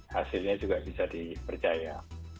hasilnya juga bisa dipercaya